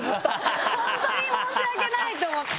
本当に申し訳ない！と思って。